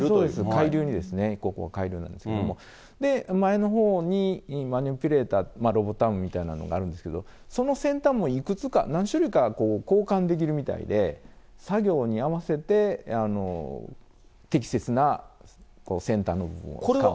海流にですね、海流なんですけど、前のほうにマニピュレーター、ロボットアームみたいなのがあるんですけど、その先端もいくつか、何種類か交換できるみたいで、作業に合わせて、適切な先端の部分をつかむ。